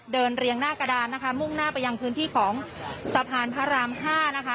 เรียงหน้ากระดานนะคะมุ่งหน้าไปยังพื้นที่ของสะพานพระราม๕นะคะ